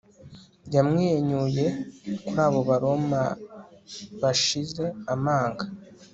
Yamwenyuye kuri abo Baroma bashize amanga